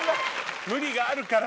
無理があるから。